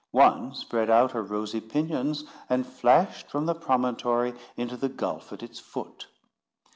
One spread out her rosy pinions, and flashed from the promontory into the gulf at its foot.